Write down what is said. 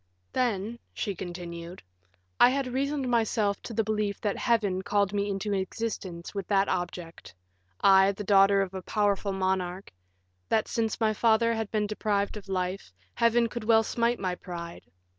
"Then," she continued, "I had reasoned myself into the belief that Heaven called me into existence with that object I, the daughter of a powerful monarch; that since my father had been deprived of life, Heaven could well smite my pride.